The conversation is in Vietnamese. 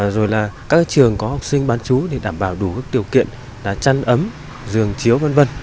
rồi là các trường có học sinh bán chú để đảm bảo đủ các điều kiện là chăn ấm giường chiếu v v